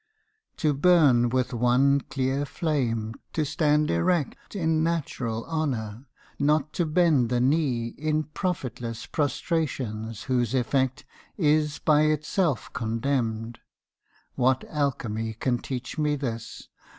To burn with one clear flame, to stand erect In natural honour, not to bend the knee In profitless prostrations whose effect Is by itself condemned, what alchemy Can teach me this?